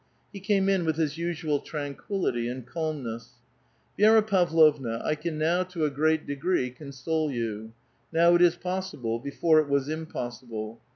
He came in with his usual tranquillity and calm ness. " Vi^ra Pavlovna, I can now, to a great degree, console you. Now it is possible ; before it was impossible.